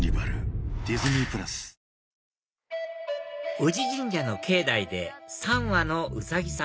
宇治神社の境内で３羽のウサギさん